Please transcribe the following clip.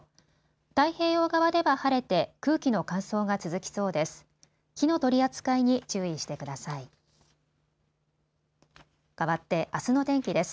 太平洋側では晴れて空気の乾燥が続きそうです。